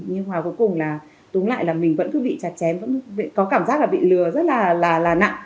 nhưng mà cuối cùng là túng lại là mình vẫn cứ bị chặt chém vẫn có cảm giác là bị lừa rất là nặng